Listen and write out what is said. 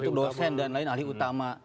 untuk dosen dan lain lain ahli utama